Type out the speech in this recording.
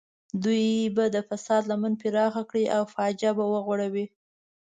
دوی به د فساد لمن پراخه کړي او فاجعه به وغوړوي.